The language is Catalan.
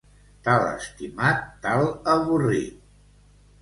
Tal estimat, tal avorrit.